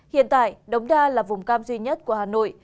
hiện tại đống đa là vùng cam duy nhất của hà nội